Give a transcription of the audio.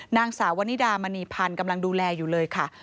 นางสาววนิดามณีพันธ์กำลังดูแลอยู่เลยค่ะ